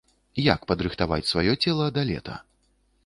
Як падрыхтаваць сваё цела да лета?